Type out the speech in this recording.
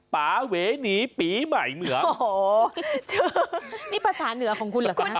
ปาเวนีปีใหม่เหนือโอ้โหนี่ภาษาเหนือของคุณเหรอคะ